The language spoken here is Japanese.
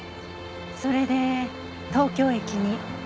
それで東京駅に？